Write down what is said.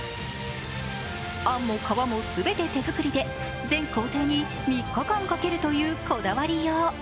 あんも皮も全て手作りで全行程に３日間かけるというこだわりよう。